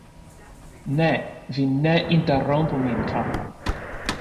Ne, vi ne interrompu min, kara !